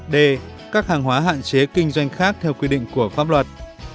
d các hàng hóa hạn chế kinh doanh khác theo quy định của pháp luật